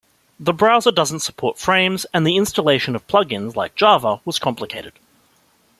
The browser doesn't support Frames and the installation of plugins like Java was complicated.